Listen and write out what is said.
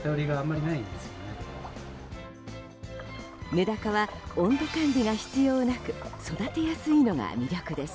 メダカは温度管理が必要なく育てやすいのが魅力です。